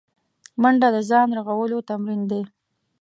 منډه د ځان رغولو تمرین دی